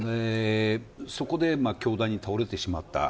そこで凶弾に倒れてしまった。